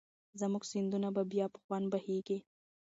زموږ سیندونه به بیا په خوند بهېږي.